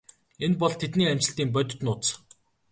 Энэ бол тэдний амжилтын бодит нууц.